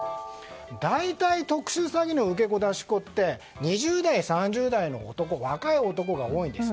大体、特殊詐欺の受け子、出し子って２０代、３０代の若い男が多いんです。